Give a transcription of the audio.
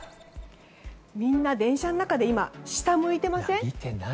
みんな電車の中で下向いてません？